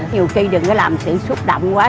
nhiều khi đừng có làm sự xúc động quá